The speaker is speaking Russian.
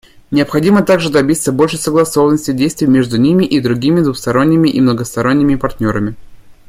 Необходимо также добиться большей согласованности действий между ними и другими двусторонними и многосторонними партнерами.